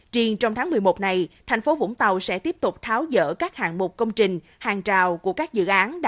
triền trong tháng một mươi một này thành phố vũng tàu sẽ tiếp tục tháo dỡ các hạng mục công trình hàng trào của các dự án